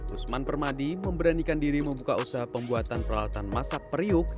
usman permadi memberanikan diri membuka usaha pembuatan peralatan masak periuk